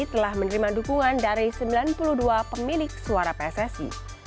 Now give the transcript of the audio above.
telah menerima dukungan dari sembilan puluh dua pemilik suara pssi